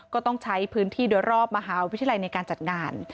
ก็ต้องใช้พื้นที่โดยรอบมหาวิทยาลัยในการจัดงาน